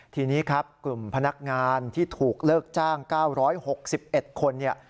ทีนี้ครับกลุ่มพนักงานที่ถูกเลิกจ้าง๙๖๑คนเนี่ย